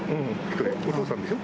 お父さんでしょ？